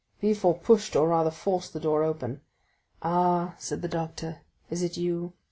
Villefort pushed, or rather forced, the door open. "Ah," said the doctor, "is it you?"